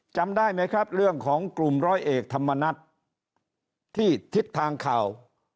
จำได้ไหมครับเรื่องของกลุ่มร้อยเอกธรรมนัฐที่ทิศทางข่าว